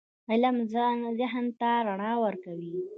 علم ذهن ته رڼا ورکوي.